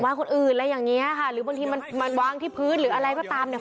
คนอื่นอะไรอย่างเงี้ยค่ะหรือบางทีมันมันวางที่พื้นหรืออะไรก็ตามเนี่ย